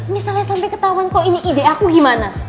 misalnya sampai ketahuan kok ini ide aku gimana